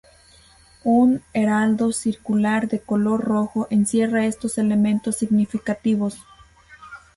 Un heraldo circular de color rojo encierra estos elementos significativos.